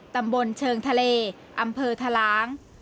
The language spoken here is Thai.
ตำบลเชิงทะเลอำเภอทะล้าง